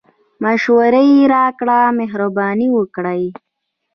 مشوري راکړئ مهربانی وکړئ